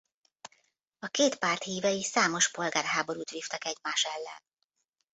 A két párt hívei számos polgárháborút vívtak egymás ellen.